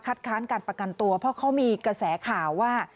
ค้านการประกันตัวเพราะเขามีกระแสข่าวว่า